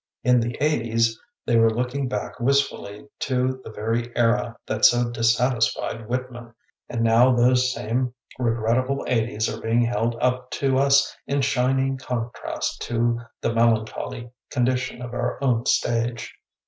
In the 'eighties, they were looking back wist fully to the very era that so dissatis fied Whitman, and now those same re grettable 'eighties are being held up to us in shining contrast to the melancholy condition of our own stage.